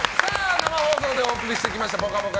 生放送でお送りしてきました「ぽかぽか」